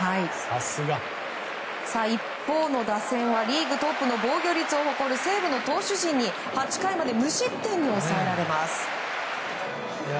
一方の打線はリーグトップの防御率を誇る西武の投手陣に８回まで無失点に抑えられます。